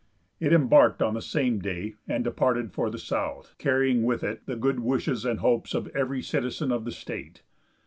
It embarked on the same day, and departed for the South, carrying with it the good wishes and hopes of every citizen of the state.